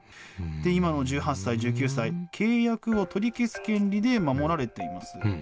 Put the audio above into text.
今の１８歳、１９歳、契約を取り消す権利で守られています。